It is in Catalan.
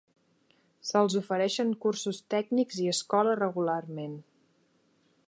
Se'ls ofereixen cursos tècnics i escola regularment.